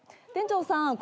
店長さん